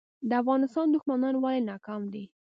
د افغانستان دښمنان ولې ناکام دي؟